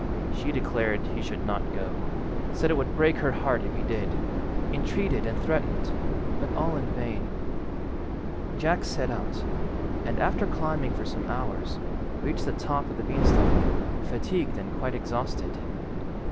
She declared he should not go; said it would break her heart if he did; entreated and threatened, but all in vain. Jack set out, and, after climbing for some hours, reached the top of the beanstalk, fatigued and quite exhausted.